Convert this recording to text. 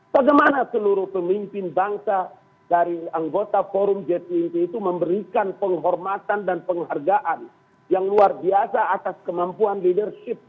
bagaimana para pemimpin dari anggota j dua puluh memberikan penghormatan dan dihargai di luar biasa atas kemampuan leadershipnya sebelumnya